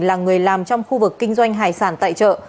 là người làm trong khu vực kinh doanh hải sản tại chợ